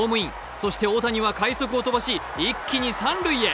そして大谷は快足を飛ばし一気に三塁へ。